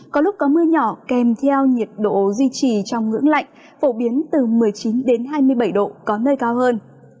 có lúc có mưa nhỏ kèm theo nhiệt độ duy trì trong ngưỡng lạnh phổ biến từ một mươi chín đến hai mươi bảy độ có nơi cao hơn